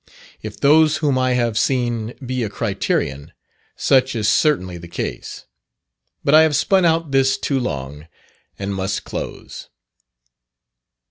If those whom I have seen be a criterion, such is certainly the case. But I have spun out this too long, and must close.